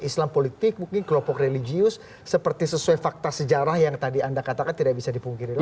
islam politik mungkin kelompok religius seperti sesuai fakta sejarah yang tadi anda katakan tidak bisa dipungkiri